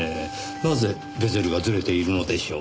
なぜベゼルがずれているのでしょう。